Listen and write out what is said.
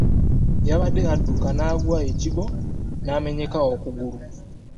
Yabadde aduka n'agwa ekigwo namenyeka okugulu.